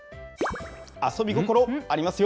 遊び心ありますよ。